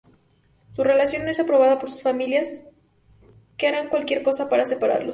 Su relación no es aprobada por sus familias, que harán cualquier cosa para separarlos.